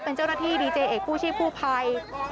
เป็นเจ้าหน้าที่ดีเจเอกกู้ชีพกู้ภัย